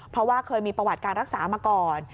เพราะว่าเคยมีประวัติการรักษามาก่อน